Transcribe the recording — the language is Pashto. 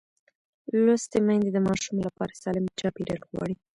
لوستې میندې د ماشوم لپاره سالم چاپېریال غواړي.